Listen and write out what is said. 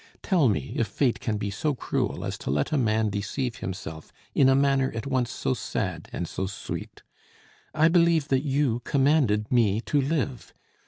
Tell me if Fate can be so cruel as to let a man deceive himself in a manner at once so sad and so sweet. I believe that you commanded me to live.